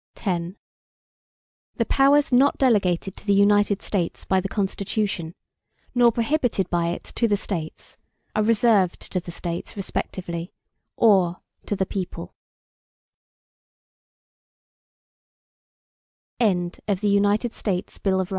X The powers not delegated to the United States by the Constitution, nor prohibited by it to the States, are reserved to the States respectively, or to the people.